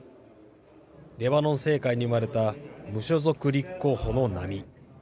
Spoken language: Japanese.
レバノン政界に生まれた無所属立候補の波。